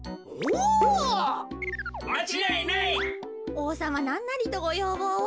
おうさまなんなりとごようぼうを。